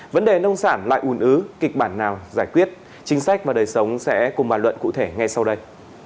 vấn đề nông sản lại ùn ứ kịch bản nào giải quyết chính sách và đời sống sẽ cùng bàn luận cụ thể ngay sau đây